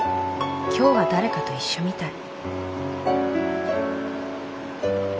今日は誰かと一緒みたい。